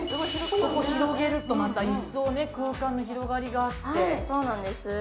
そこ広げるとまた一層ね、空間の広がりがあって。